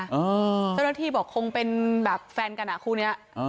เจ้าหน้าที่บอกคงเป็นแบบแฟนกันอ่ะคู่นี้